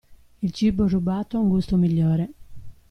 Il cibo rubato ha un gusto migliore.